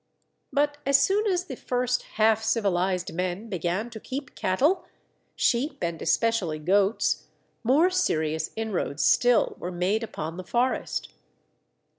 But as soon as the first half civilized men began to keep cattle, sheep, and especially goats, more serious inroads still were made upon the forest.